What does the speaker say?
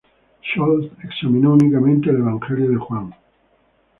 Scholz examinó únicamente el Evangelio de Juan.